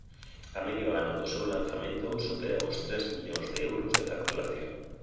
A medio ano do seu lanzamento supera os tres millóns de euros de facturación